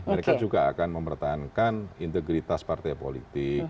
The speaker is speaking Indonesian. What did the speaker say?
mereka juga akan mempertahankan integritas partai politik